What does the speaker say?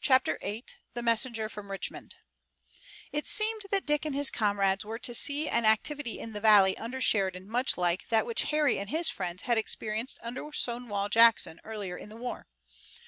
CHAPTER VIII THE MESSENGER FROM RICHMOND It seemed that Dick and his comrades were to see an activity in the valley under Sheridan much like that which Harry and his friends had experienced under Stonewall Jackson earlier in the war.